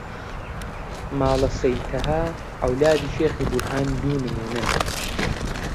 ماڵە سەید تەها، عەولادی شێخی بورهان دوو نموونەن